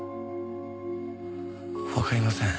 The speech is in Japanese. わかりません。